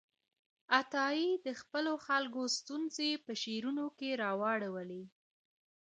عطايي د خپلو خلکو ستونزې په شعرونو کې راواړولې.